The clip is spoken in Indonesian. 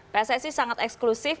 saya sih sangat eksklusif